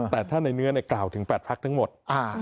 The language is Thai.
แต่ถ้าในเนื้อกล่าวถึง๘พักทั้งหมด